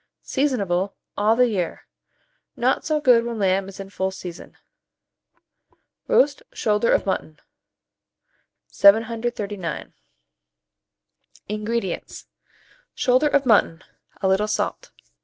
Seasonable all the year; not so good when lamb is in full season. ROAST SHOULDER OF MUTTON. 739. INGREDIENTS. Shoulder of mutton; a little salt.